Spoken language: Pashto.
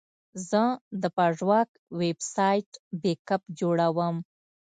زه د پژواک ویب سایټ بیک اپ جوړوم.